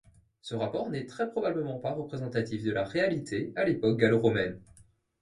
Ce rapport n’est très probablement pas représentatif de la réalité à l’époque gallo-romaine.